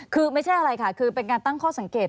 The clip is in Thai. คือไม่ใช่อะไรค่ะคือเป็นการตั้งข้อสังเกต